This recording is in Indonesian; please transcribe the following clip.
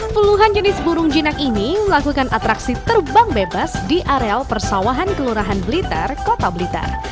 puluhan jenis burung jinak ini melakukan atraksi terbang bebas di areal persawahan kelurahan blitar kota blitar